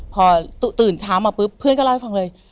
พอตื่นเช้ามาปุ๊บเพื่อนก็เล่าให้ฟังเลย